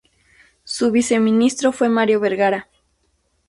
Su viceministro fue Mario Bergara.